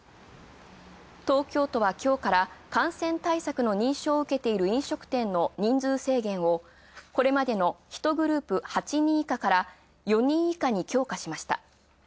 東京都は今日から感染対策の認証を受けている飲食店を人数制限をこれまでの１グループ８人以下から４人以下に強化しました。